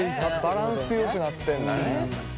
バランスよくなってんだね。